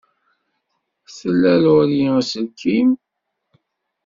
Tla Laurie aselkim?